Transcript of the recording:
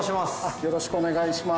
よろしくお願いします